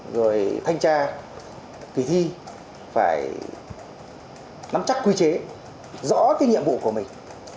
rồi thanh tra kỳ thi phải nắm chắc quy chế rõ cái nhiệm vụ của mình